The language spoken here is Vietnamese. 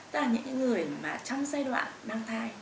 tức là những người mà trong giai đoạn mang thai